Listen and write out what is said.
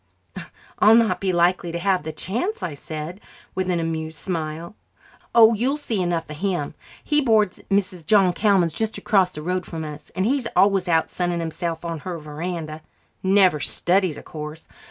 "I'll not be likely to have the chance," I said, with an amused smile. "Oh, you'll see enough of him. He boards at Mrs. John Callman's, just across the road from us, and he's always out sunning himself on her verandah. Never studies, of course.